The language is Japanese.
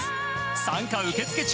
参加受付中。